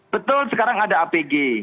betul sekarang ada apg